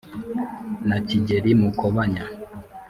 na kigeli mukobanya